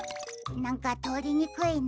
なんかとおりにくいな。